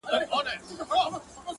چي واکداران مو د سرونو په زاريو نه سي ـ